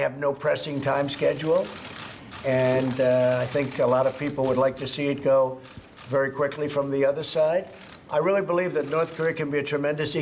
จะเป็นพลังความเกิดผลเชิงตอนนี้ถูกจัดการ